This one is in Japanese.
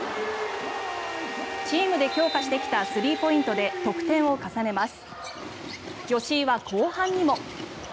チームで強化してきたスリーポイントで得点を重ねます。